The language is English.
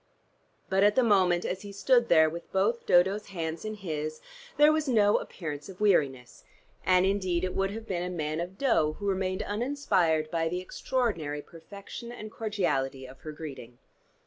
But at the moment, as he stood there with both Dodo's hands in his, there was no appearance of weariness, and indeed it would have been a man of dough who remained uninspired by the extraordinary perfection and cordiality of her greeting.